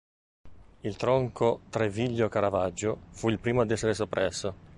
Il tronco Treviglio-Caravaggio fu il primo ad essere soppresso.